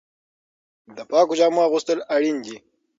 د پاکو جامو اغوستل اړین دي.